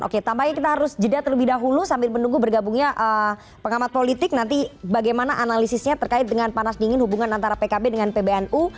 oke tampaknya kita harus jeda terlebih dahulu sambil menunggu bergabungnya pengamat politik nanti bagaimana analisisnya terkait dengan panas dingin hubungan antara pkb dengan pbnu